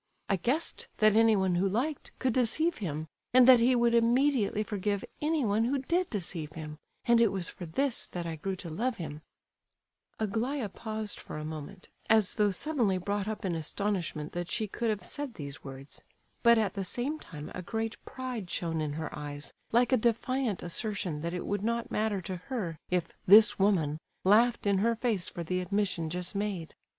I guessed that anyone who liked could deceive him, and that he would immediately forgive anyone who did deceive him; and it was for this that I grew to love him—" Aglaya paused for a moment, as though suddenly brought up in astonishment that she could have said these words, but at the same time a great pride shone in her eyes, like a defiant assertion that it would not matter to her if "this woman" laughed in her face for the admission just made.